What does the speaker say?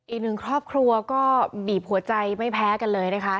อีกหนึ่งครอบครัวก็บีบหัวใจไม่แพ้กันเลยนะคะ